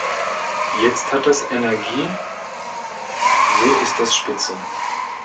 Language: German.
Jetzt hat das Energie, so ist das spitze.